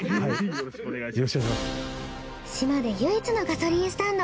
島で唯一のガソリンスタンド。